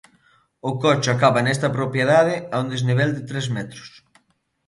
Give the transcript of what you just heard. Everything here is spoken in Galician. O coche acaba nesta propiedade a un desnivel de tres metros.